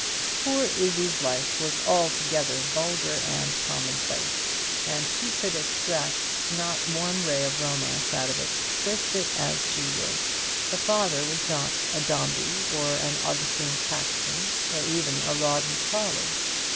Poor Izzie's life was altogether vulgar and commonplace, and she could not extract one ray of romance out of it, twist it as she would. Her father was not a Dombey, or an Augustine Caxton, or even a Rawdon Crawley.